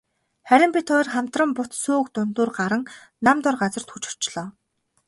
Харин бид хоёр хамтран бут сөөг дундуур гаран нам доор газарт хүрч очлоо.